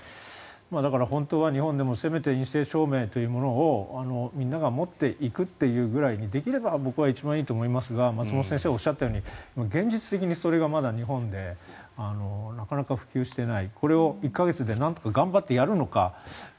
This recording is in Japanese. だから、本当は日本でもせめて陰性証明というものをみんなが持っていくというぐらいできれば僕は一番いいと思いますが松本先生がおっしゃったように現実的にそれがまだ日本でなかなか普及していない。